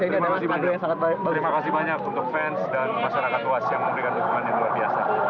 terima kasih banyak untuk fans dan masyarakat luas yang memberikan dukungan yang luar biasa